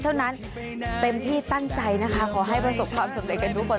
เพราะฉะนั้นเต็มที่ตั้งใจนะคะขอให้พยายามแพทย์การประสบความสำเร็จกันทุกคน